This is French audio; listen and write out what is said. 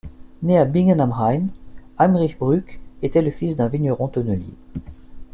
Né à Bingen am Rhein, Heinrich Brück était le fils d'un vigneron tonnelier.